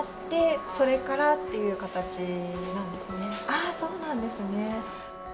ああそうなんですね。